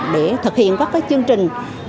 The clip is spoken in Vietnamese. để thực hiện các chương trình